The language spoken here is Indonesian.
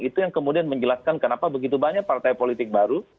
itu yang kemudian menjelaskan kenapa begitu banyak partai politik baru